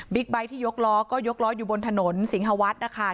บิ๊กไบที่ยกล้อก็ยกล้ออยู่บนถนนสิงหาวัดนะคะ